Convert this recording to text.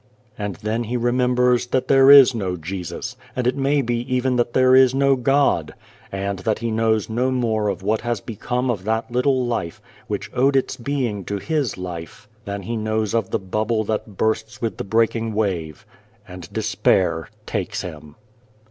And then he remembers that there is no Jesus, it may be even that there is no God, and that he knows no more of what has become of that little life, which owed its being to his life, than he knows of the bubble that bursts with the breaking wave. And despair takes him.